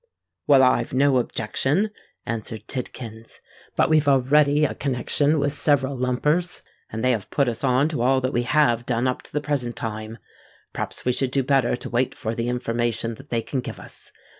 "Well, I've no objection," answered Tidkins. "But we've already a connexion with several lumpers; and they have put us on to all that we have done up to the present time. P'rhaps we should do better to wait for the information that they can give us.